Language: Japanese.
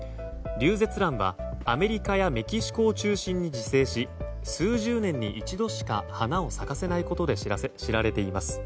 リュウゼツランはアメリカやメキシコを中心に自生し数十年に一度しか花を咲かせないことで知られています。